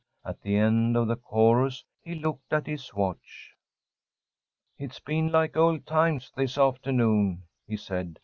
At the end of the chorus he looked at his watch. "It's been like old times this afternoon," he said.